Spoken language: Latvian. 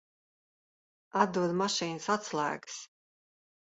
Atdod mašīnas atslēgas.